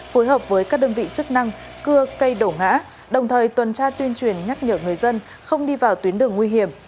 phối hợp với các đơn vị chức năng cưa cây đổ ngã đồng thời tuần tra tuyên truyền nhắc nhở người dân không đi vào tuyến đường nguy hiểm